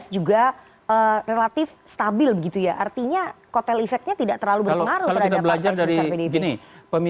dua ribu sembilan belas juga relatif stabil begitu ya artinya kotel efeknya tidak terlalu berpengaruh terhadap partai seriusnya pdip